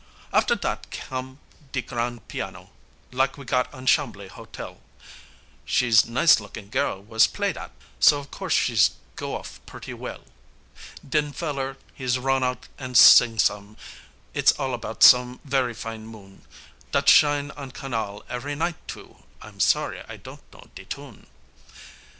Affer dat come de Grande piano, lak we got on Chambly Hotel, She's nice lookin' girl was play dat, so of course she's go off purty well, Den feller he's ronne out an' sing some, it's all about very fine moon, Dat shine on Canal, ev'ry night too, I'm sorry I don't know de tune.